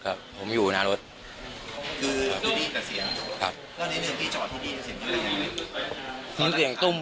ก่อนที่จะยิงได้เห็นไหม